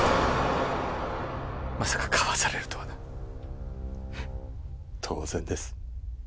まさかかわされるとはなフッ当然です